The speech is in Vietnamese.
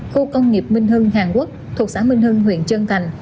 khu công nghiệp minh hưng hàn quốc thuộc xã minh hưng huyện trân thành